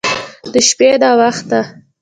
د شپې ناوخته